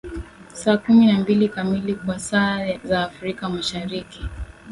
saa kumi na mbili kamili kwa saa za afrika mashariki